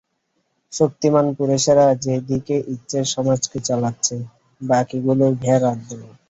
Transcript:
শক্তিমান পুরুষেরা যে দিকে ইচ্ছে সমাজকে চালাচ্ছে, বাকীগুলো ভেড়ার দল।